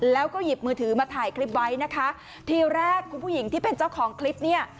แล้วก็หยิบมือถือมาถ่ายคลิปไว้นะคะทีแรกคุณผู้หญิงที่เป็นเจ้าของคลิปเนี่ย